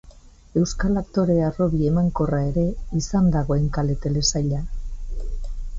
Euskal aktore harrobi emankorra ere izan da Goenkale telesaila.